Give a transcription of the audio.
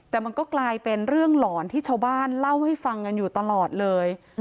แต่มันก็กลายเป็นเรื่องหลอนที่ชาวบ้านเล่าให้ฟังกันอยู่ตลอดเลย